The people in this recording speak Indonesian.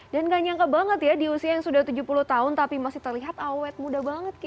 gak nyangka banget ya di usia yang sudah tujuh puluh tahun tapi masih terlihat awet muda banget